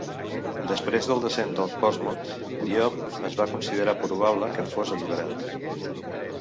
Després del descens de Portsmouth, Diop es va considerar probable que fos alliberat.